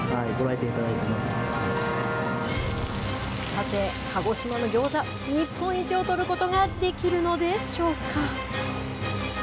さて、鹿児島のギョーザ、日本一をとることができるのでしょうか。